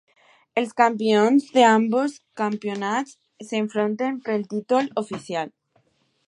Els campions d'ambdós campionats s'enfronten pel títol oficial.